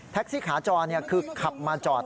ซี่ขาจรคือขับมาจอด